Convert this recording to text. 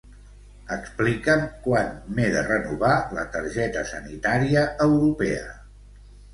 Explica'm quan m'he de renovar la targeta sanitària europea.